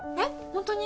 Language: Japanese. ホントに？